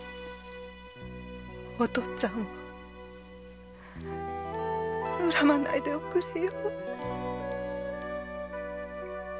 お父っつぁんを恨まないでおくれよ。